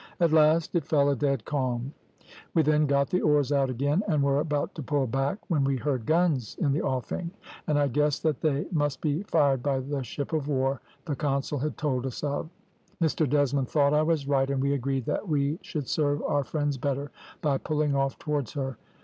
At last it fell a dead calm; we then got the oars out again, and were about to pull back when we heard guns in the offing, and I guessed that they must be fired by the ship of war the consul had told us of. Mr Desmond thought I was right, and we agreed that we should serve our friends better by pulling off towards her.